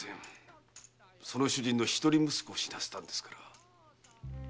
その主人の一人息子を死なせたのですから。